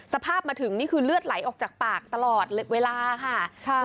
สภาพมาถึงนี่คือเลือดไหลออกจากปากตลอดเวลาค่ะ